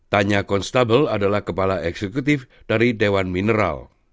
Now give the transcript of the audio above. tanya konstabel adalah kepala eksekutif dari dewan mineral